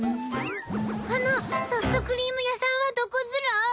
あのソフトクリーム屋さんはどこズラ？